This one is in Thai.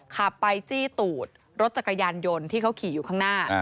ขับไปจี้ตูดรถจักรยานยนต์ที่เขาขี่อยู่ข้างหน้า